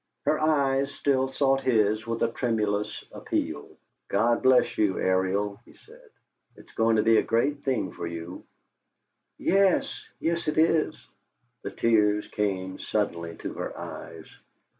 Her eyes still sought his with a tremulous appeal. "God bless you, Ariel!" he said. "It's going to be a great thing for you." "Yes. Yes, it is." The tears came suddenly to her eyes.